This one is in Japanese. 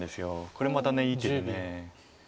これまたいい手で。